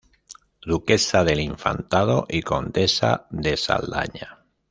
Duquesa del Infantado, y Condesa de Saldaña.